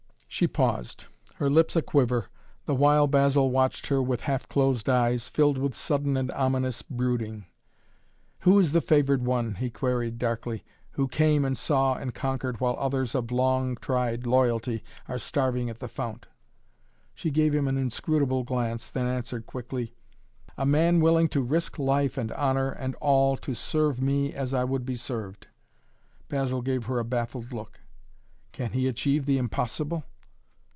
She paused, her lips a quiver, the while Basil watched her with half closed eyes, filled with sudden and ominous brooding. "Who is the favored one?" he queried darkly, "who came and saw and conquered, while others of long tried loyalty are starving at the fount?" She gave him an inscrutable glance, then answered quickly: "A man willing to risk life and honor and all to serve me as I would be served." Basil gave her a baffled look. "Can he achieve the impossible?"